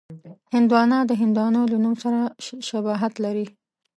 هندوانه د هندوانو له نوم سره شباهت لري.